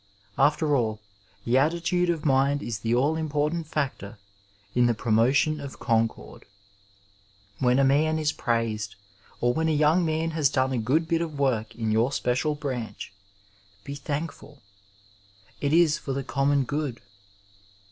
After all, the attitude of mind is the all important factor in the promotionof concord. When a man is praised, or when a young man has done a good bit of work in your special branch, be thankful — it is for the common good.